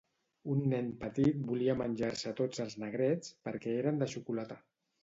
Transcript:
Un nen petit volia menjar-se a tots els negrets perquè eren de xocolata